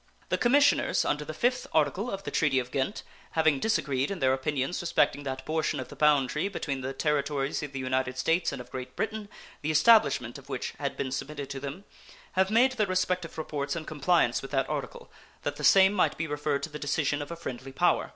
The commissioners under the 5th article of the treaty of Ghent, having disagreed in their opinions respecting that portion of the boundary between the Territories of the United States and of Great Britain the establishment of which had been submitted to them, have made their respective reports in compliance with that article, that the same might be referred to the decision of a friendly power.